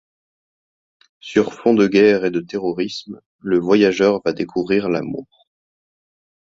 Sur fond de guerre et de terrorisme, le voyageur va découvrir l'amour.